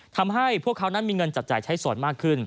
ทำให้พวกเขานั้นมีเงินจับจ่ายใช้ส่วนมากขึ้น